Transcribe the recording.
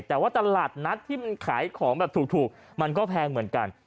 แต่ว่าตลาดนัดที่มันขายของแบบถูกมันก็แพงเหมือนกัน